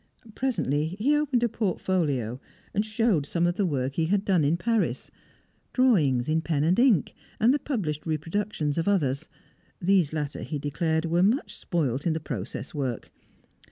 Presently he opened a portfolio and showed some of the work he had done in Paris: drawings in pen and ink, and the published reproductions of others; these latter, he declared, were much spoilt in the process work.